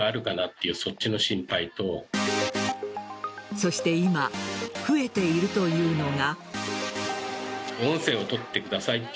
そして今増えているというのが。